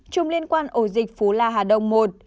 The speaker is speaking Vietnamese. tám chùm liên quan ổ dịch phú la hà đông một